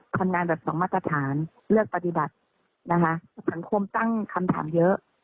ทำงานแบบสองมาตรฐานเลือกปฏิบัตินะคะสังคมตั้งคำถามเยอะ